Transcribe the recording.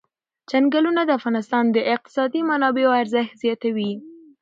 چنګلونه د افغانستان د اقتصادي منابعو ارزښت زیاتوي.